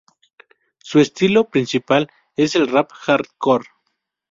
Su estilo principal es el Rap Hardcore.